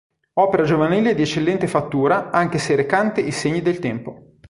Opera giovanile di eccellente fattura anche se recante i segni del tempo.